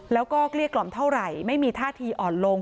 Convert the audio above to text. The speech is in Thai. แล้วก็เกลี้ยกล่อมเท่าไหร่ไม่มีท่าทีอ่อนลง